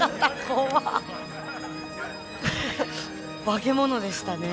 化け物でしたね。